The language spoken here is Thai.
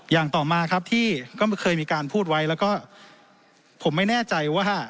อย่างต่อมาครับที่ก็เคยมีการพูดไว้แล้วก็ผมไม่แน่ใจว่า